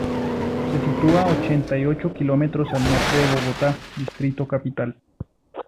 Se sitúa a ochenta y ocho kilómetros al norte de Bogotá, distrito capital.